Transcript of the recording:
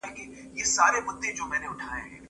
زه پرون سیر کوم؟